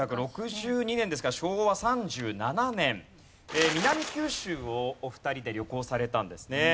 １９６２年ですから昭和３７年南九州をお二人で旅行されたんですね。